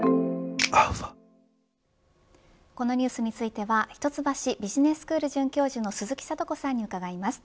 このニュースについては一橋ビジネススクール准教授の鈴木智子さんに伺います。